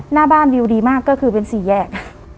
หน้าบ้านดิวดีมากก็คือเป็นสี่แยก